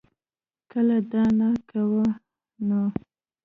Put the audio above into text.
کۀ دا نۀ کوي نو